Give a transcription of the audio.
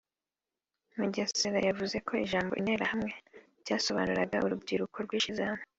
Mugesera yavuze ko Ijambo “Interahamwe” byasobanuraga urubyiruko rwishyize hamwe